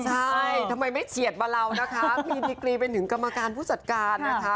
ใช่ทำไมไม่เฉียดบาลาวนะคะมีดีกรีเป็นถึงกรรมการผู้จัดการนะคะ